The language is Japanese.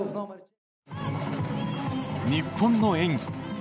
日本の演技